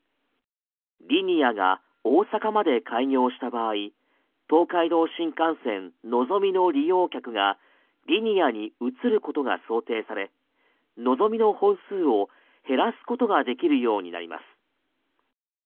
リニアが大阪まで開業した場合東海道新幹線のぞみの利用客がリニアに移ることが想定されのぞみの本数を減らすことができるようになります。